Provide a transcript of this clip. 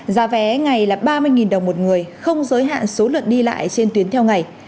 giá vé ngày là ba mươi đồng một người không giới hạn số lượt đi lại trên tuyến theo ngày